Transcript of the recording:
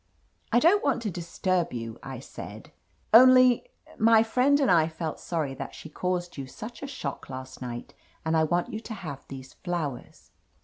"I don't want to disturb you," I said. "Only 54 ^ OF LETITIA CARBERRY •—my friend and I felt sorry that she caused you such a shock last night. And I want you ^to have these flowers."